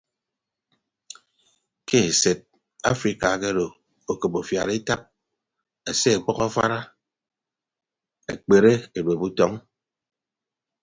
Ke esed afrika akedo okop afiad etap ese ọkpʌk afara ekpere edueb utọñ.